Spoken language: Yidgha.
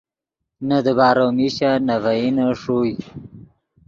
نے دیبارو میشن نے ڤئینے ݰوئے